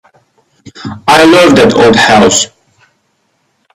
I love that old house.